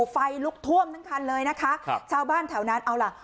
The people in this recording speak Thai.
ไฟลุกท่วมทั้งคันเลยนะคะครับชาวบ้านแถวนั้นเอาล่ะ